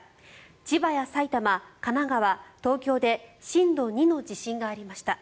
千葉や埼玉、神奈川、東京で震度２の地震がありました。